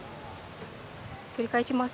繰り返します。